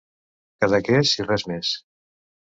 Cadaqués i res més.